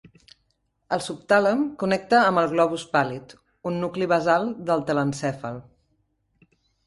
El subtàlem connecta amb el globus pàl·lid, un nucli basal del telencèfal.